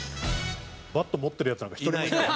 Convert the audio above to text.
バット持ってるヤツなんか１人もいない。